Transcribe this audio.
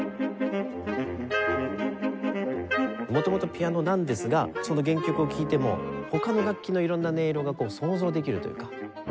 元々ピアノなんですがその原曲を聴いても他の楽器の色んな音色が想像できるというか。